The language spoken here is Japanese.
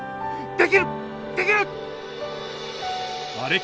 できる！